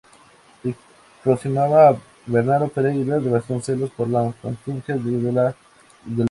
Se aproximaba a Bernardo Pereira de Vasconcelos, por la coincidencia de la posición ideológica.